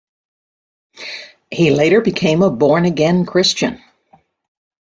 He later became a born-again Christian.